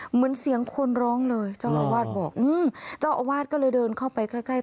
เหมือนเสียงคนร้องเลยเจ้าอาวาสบอกอืมเจ้าอาวาสก็เลยเดินเข้าไปใกล้ใกล้